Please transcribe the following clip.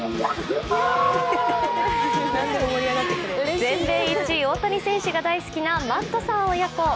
全米一、大谷選手が大好きなマットさん親子。